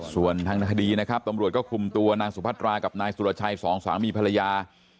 ส่วนทางคดีนะครับตำรวจก็คุมตัวนางสุพัตรากับนายสุรชัยสองสามีภรรยา